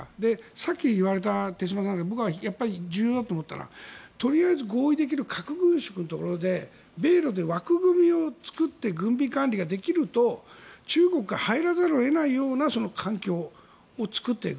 さっき言われた僕が重要だと思ったのはとりあえず合意できる核軍縮のところで米ロで枠組みを作って軍備管理ができると中国が入らざるを得ないような環境を作っていく。